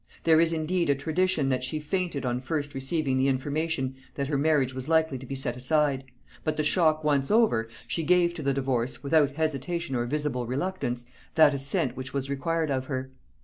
There is indeed a tradition that she fainted on first receiving the information that her marriage was likely to be set aside; but the shock once over, she gave to the divorce, without hesitation or visible reluctance, that assent which was required of her.